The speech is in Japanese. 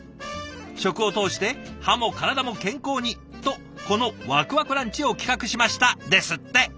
「食を通して歯も体も健康にとこのわくわくランチを企画しました」ですって。